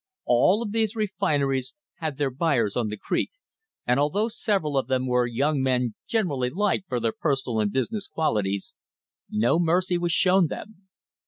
All of these refineries had their buyers on the creek, and although sev eral of them were young men generally liked for their per sonal and business qualities, no mercy was shown them.